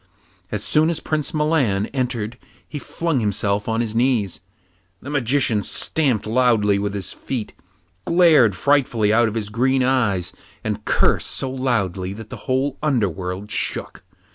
As soon as Prince Milan entered he flung himself on his knees. The Magician stamped loudly with his feet, glared frightfully out of his green eyes, and cursed so loudly that the whole underworld shook.